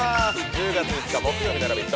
１０月５日木曜日の「ラヴィット！」